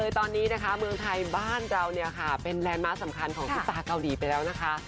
ตอนนี้นะคะเมืองไทยบ้านเราเนี่ยค่ะเป็นแลนด์มาร์คสำคัญของซุปตาเกาหลีไปแล้วนะคะ